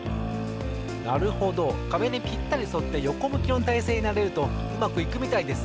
なるほどかべにぴったりそってよこむきのたいせいになれるとうまくいくみたいです。